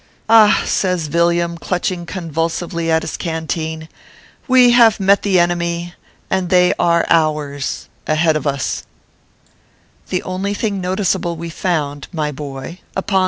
Ah !" says Villiam, clutching convulsively at his canteen, " we have met the enemy, and they are hours ahead of us/ The only thing noticeable we found, my boy, upon 246 ORPHEUS C.